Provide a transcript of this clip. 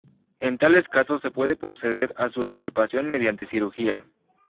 En tales casos se puede proceder a su extirpación mediante cirugía.